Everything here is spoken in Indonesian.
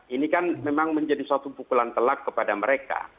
ini kan memang menjadi suatu pukulan telak kepada mereka